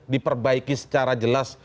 diperbaiki secara jelas